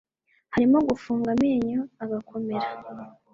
harimo gufunga amenyo agakomera